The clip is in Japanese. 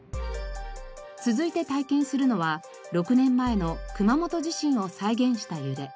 続いて体験するのは６年前の熊本地震を再現した揺れ。